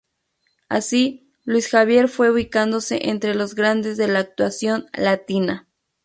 Así Luis Xavier fue ubicándose entre los grandes de la actuación latina.